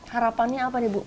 harapannya apa nih bu